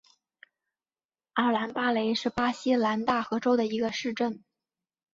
阿兰巴雷是巴西南大河州的一个市镇。